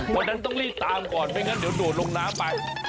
คนนั้นต้องรีบตามก่อนไม่งั้นเดี๋ยวโดดลงน้ำไป